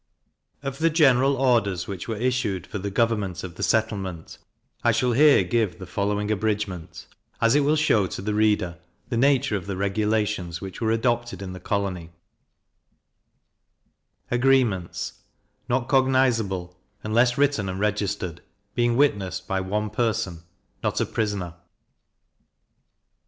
Of the General Orders which were issued for the government of the settlement, I shall here give the following abridgment, as it will shew to the reader the nature of the regulations which were adopted in the colony: Agreements not cognizable, unless written and registered; being witnessed by one person, not a prisoner.